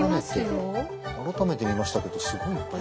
改めて見ましたけどすごいいっぱい。